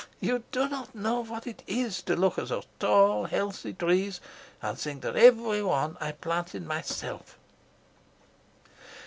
Ah, you do not know what it is to look at those tall, healthy trees and think that every one I planted myself."